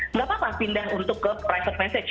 nggak apa apa pindah untuk ke private message